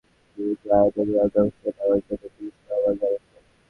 তারপরও হামলার ঘটনায় দোষীদের বিরুদ্ধে আইনানুগ ব্যবস্থা নেওয়ার জন্য পুলিশকে আহ্বান জানিয়েছেন।